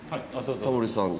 タモリさん。